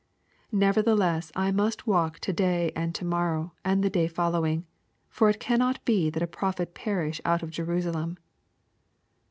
33 Nevertheless I must walk to day, and to morrc w,and the day following : ibr it cannot be that a prophet perish out of Jerusalem.